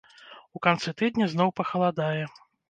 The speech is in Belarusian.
У канцы тыдня зноў пахаладае.